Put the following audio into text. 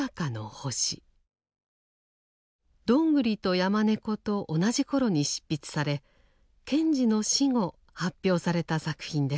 「どんぐりと山猫」と同じ頃に執筆され賢治の死後発表された作品です。